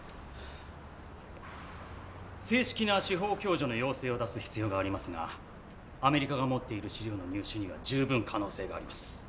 正式な司法共助の要請を出す必要がありますがアメリカが持っている資料の入手には十分可能性があります。